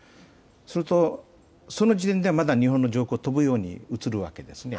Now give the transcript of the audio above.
するとその時点ではまだ日本の上空を飛ぶようにうつるわけですね。